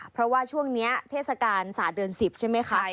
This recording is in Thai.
เพราะว่าช่วงนี้เทศกาลศาสตร์เดือน๑๐ใช่ไหมคะ